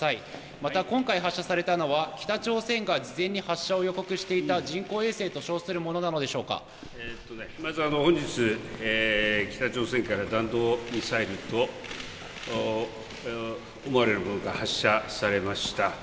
また今回発射されたのは、北朝鮮が事前に発射を予告していた人工衛星と称するものなのでしまず、本日、北朝鮮から弾道ミサイルと思われるものが発射されました。